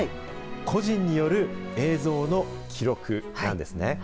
個人による映像の記録なんですね。